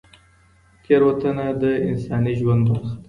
تېروتنه د انساني ژوند برخه ده.